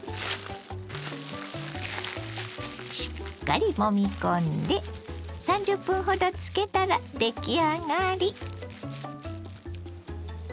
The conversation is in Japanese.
しっかりもみ込んで３０分ほど漬けたら出来上がり。